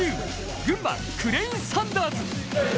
群馬クレインサンダーズ。